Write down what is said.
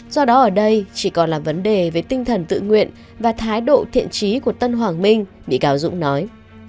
do đó ở đây chỉ còn là vấn đề về tinh thần tự nguyện và thái độ thiện trí của tân hoàng minh bị cáo dũng nói